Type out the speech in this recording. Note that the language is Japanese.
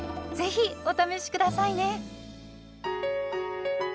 ぜひお試し下さいね。